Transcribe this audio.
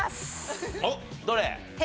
おっどれ？